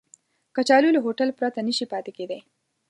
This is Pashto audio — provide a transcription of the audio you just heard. کچالو له هوټل پرته نشي پاتې کېدای